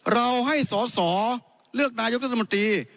เราให้สอสอเลือกนายกรัฐมนตรี